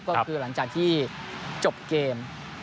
ก็คือหลังจากที่จบเกม